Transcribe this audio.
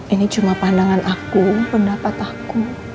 ini cuma pandangan aku pendapat aku